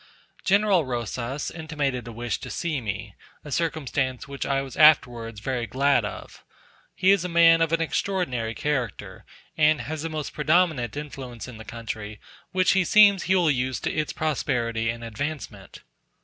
General Rosas intimated a wish to see me; a circumstance which I was afterwards very glad of. He is a man of an extraordinary character, and has a most predominant influence in the country, which it seems he will use to its prosperity and advancement.